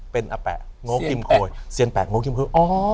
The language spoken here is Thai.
เป็นอะแปะเนาะกิมโคยอ๋อ